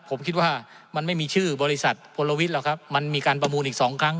ผมคิดว่ามันไม่มีชื่อบริษัทพลวิทย์หรอกครับมันมีการประมูลอีกสองครั้ง